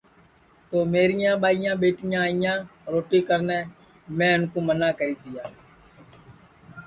تو میریاں ٻائی ٻیٹیاں آئیاں روٹی کرنے میں اُن کُو منا کری دؔیا